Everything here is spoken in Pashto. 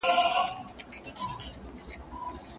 لنډ ماځيگر انتظار، اوږده غرمه انتظار